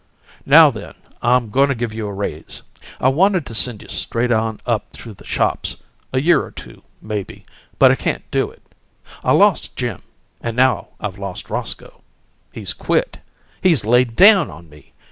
Now, then, I'm goin' to give you a raise. I wanted to send you straight on up through the shops a year or two, maybe but I can't do it. I lost Jim, and now I've lost Roscoe. He's quit. He's laid down on me.